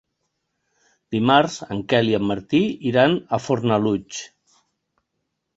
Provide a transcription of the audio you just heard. Dimarts en Quel i en Martí iran a Fornalutx.